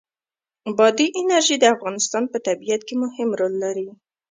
بادي انرژي د افغانستان په طبیعت کې مهم رول لري.